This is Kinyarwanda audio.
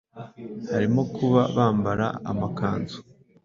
harimo kuba bambara amakanzu